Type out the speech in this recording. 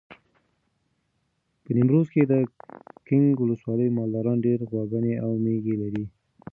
په نیمروز کې د کنگ ولسوالۍ مالداران ډېر غواګانې او مېږې لري.